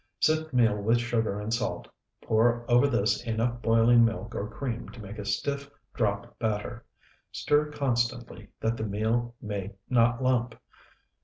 Sift meal with sugar and salt. Pour over this enough boiling milk or cream to make a stiff drop batter. Stir constantly, that the meal may not lump.